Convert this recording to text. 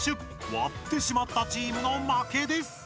割ってしまったチームの負けです！